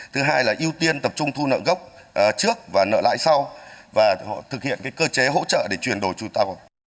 thứ hai là ưu tiên tập trung thu nợ gốc trước và nợ lại sau và thực hiện cơ chế hỗ trợ để truyền đổi chúng ta